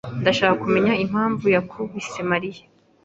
Ndashaka kumenya impamvu yakubise Mariya.